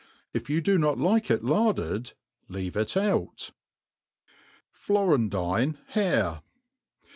If you do not like it laided^ leave it out* \ FlorenOne Hare.